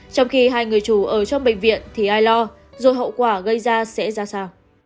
trong khi hai người chủ ở trong bệnh viện thì ai lo rồi hậu quả gây ra sẽ ra sao